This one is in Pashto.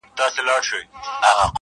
په ګاونډ کي پاچاهان او دربارونه-